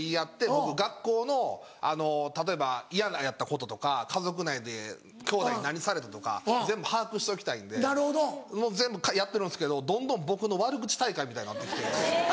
僕学校の例えば嫌やったこととか家族内できょうだいに何されたとか全部把握しときたいんで全部やってるんですけどどんどん僕の悪口大会みたいになってきて。